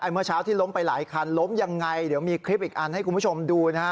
เมื่อเช้าที่ล้มไปหลายคันล้มยังไงเดี๋ยวมีคลิปอีกอันให้คุณผู้ชมดูนะฮะ